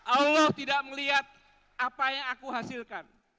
allah tidak melihat apa yang aku hasilkan